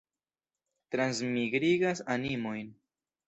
Transmigrigas animojn.